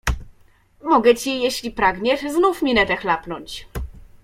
Mogę ci, jeśli pragniesz, znów minetę chlapnąć